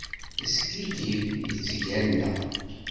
Yeskiddib, yettgalla.